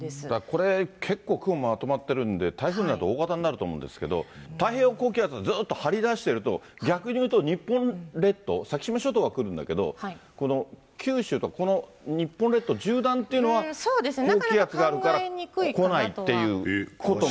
これ、結構、雲まとまってるんで、台風になると大型になると思うんですけど、太平洋高気圧がずっと張り出してると、逆に言うと日本列島、先島諸島は来るんだけれど、この九州とか、この日本列島縦断っていうのは、高気圧があるから来ないってことも？